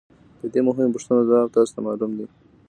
د دې مهمو پوښتنو ځواب تاسو ته معلوم دی